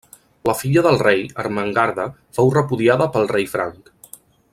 La filla del rei, Ermengarda fou repudiada pel rei franc.